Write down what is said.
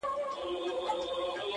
• نن د پنجابي او منظور جان حماسه ولیکه,